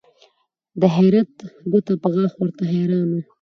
د حیرت ګوته په غاښ ورته حیران وه